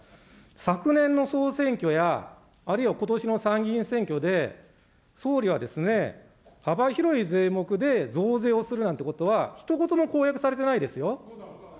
昨年の総選挙や、あるいはことしの参議院選挙で、総理は幅広い税目で増税をするなんてことは、ひと言も公約されてないですよ。